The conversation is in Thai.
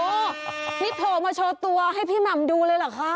นี่โผล่มาโชว์ตัวให้พี่หม่ำดูเลยเหรอคะ